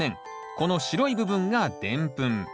この白い部分がでんぷん。